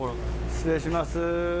失礼します。